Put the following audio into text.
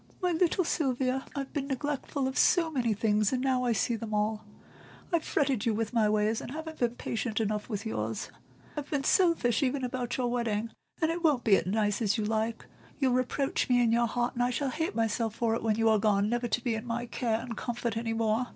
My little Sylvia, I've been neglectful of so many things, and now I see them all; I've fretted you with my ways, and haven't been patient enough with yours; I've been selfish even about your wedding, and it won't be as you like it; you'll reproach me in your heart, and I shall hate myself for it when you are gone never to be my care and comfort any more.